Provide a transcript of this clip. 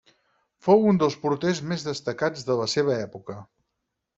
Fou un dels porters més destacats de la seva època.